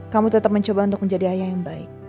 kamu tetap mencoba untuk menjadi ayah yang baik